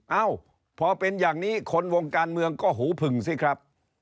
เอ้าพอเป็นอย่างนี้คนวงการเมืองก็หูผึ่งสิครับ